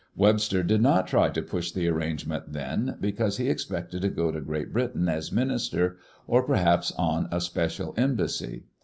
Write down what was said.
Webster did not try to push the arrangement then, because he expected to go to Great Britain as minister, or perhaps on a special embassy.